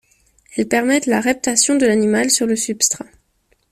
Elles permettent la reptation de l'animal sur le substrat.